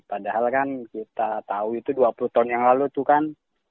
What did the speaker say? padahal kan kita tahu itu dua puluh tahun yang lalu itu kan